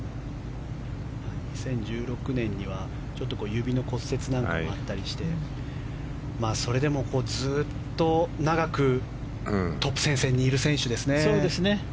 ２０１６年には指の骨折なんかもあったりしてそれでもずっと長くトップ戦線にいる選手ですね。